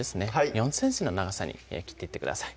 ４ｃｍの長さに切っていってください